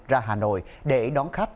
ra hà nội để đón khách